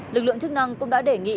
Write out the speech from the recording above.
lực lượng chức năng cũng đã đề nghị